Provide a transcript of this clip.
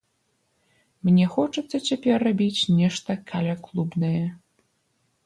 Мне хочацца цяпер рабіць нешта каляклубнае.